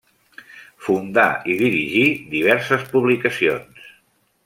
Fundà i dirigí diverses publicacions.